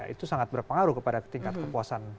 itu sangat berpengaruh kepada tingkat kepuasan